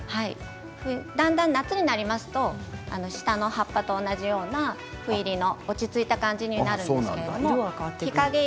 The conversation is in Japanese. だんだん夏になりますと下の葉っぱと同じようなふ入りの落ち着いた感じになります。